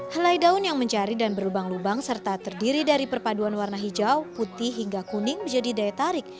helai daun yang mencari dan berlubang lubang serta terdiri dari perpaduan warna hijau putih hingga kuning menjadi daya tarik